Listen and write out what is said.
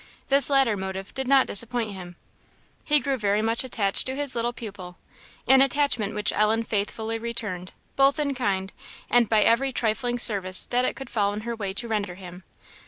This latter motive did not disappoint him. He grew very much attached to his little pupil; an attachment which Ellen faithfully returned, both in kind, and by every trifling service that it could fall in her way to render him.